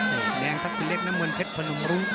แดงทักษิณเล็กน้ำเงินเพชรพนมรุ้ง